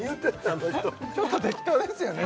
あの人ちょっと適当ですよね